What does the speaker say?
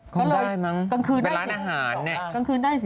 คงได้มั้งเป็นร้านอาหารเนี่ยคงได้สิ